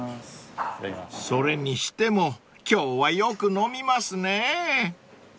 ［それにしても今日はよく飲みますねぇ］